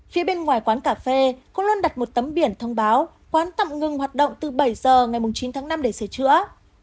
phía bên ngoài quán cà phê cũng luôn đặt một tấm biển thông báo quán tạm ngừng hoạt động từ bảy giờ ngày chín tháng năm để sửa chữa